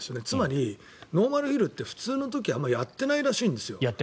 つまり、ノーマルヒルって普通の時はあんまりやってないらしいんですよ。